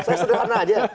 saya sederhana aja